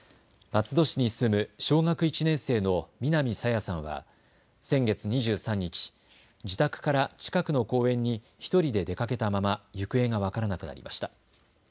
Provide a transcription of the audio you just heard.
松戸市に住む小学１年生の南朝芽さんは先月２３日、自宅から近くの公園に１人で出かけたまま行方が分からなくなりました。